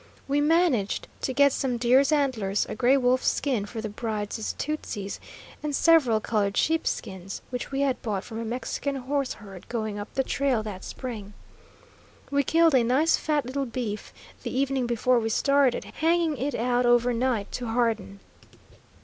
We managed to get some deer's antlers, a gray wolf's skin for the bride's tootsies, and several colored sheepskins, which we had bought from a Mexican horse herd going up the trail that spring. We killed a nice fat little beef, the evening before we started, hanging it out over night to harden.